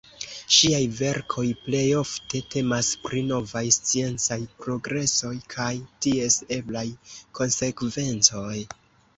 Ŝiaj verkoj plejofte temas pri novaj sciencaj progresoj kaj ties eblaj konsekvencoj.